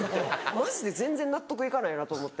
マジで全然納得行かないなと思って。